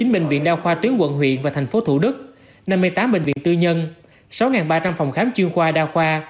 một mươi chín bệnh viện đao khoa tuyến quận huyện và thành phố thủ đức năm mươi tám bệnh viện tư nhân sáu ba trăm linh phòng khám chuyên khoa đao khoa